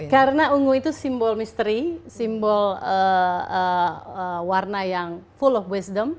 karena ungu itu simbol misteri simbol warna yang full of wisdom